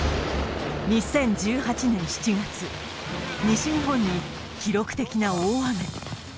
２０１８年７月西日本に記録的な大雨